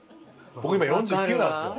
僕今４９なんですよ。